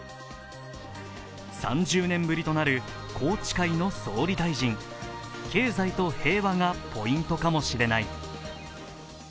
３０年ぶりとなる宏池会の総理大臣、経済と平和がポイントかもしれない。